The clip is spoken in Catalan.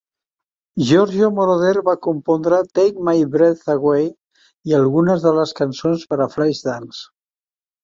Giorgio Moroder va compondre "Take My Breath Away" i algunes de les cançons per a "Flashdance".